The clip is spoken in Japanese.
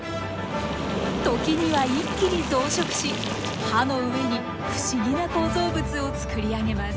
時には一気に増殖し歯の上に不思議な構造物を作り上げます。